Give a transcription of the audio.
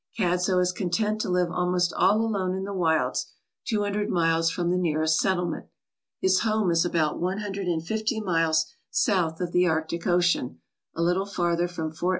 Cadzo is content to live almost all alone in the wilds two hundred miles from the nearest settlement. His home is about one hundred and fifty miles south of the Arctic Ocean, a little farther from Ft.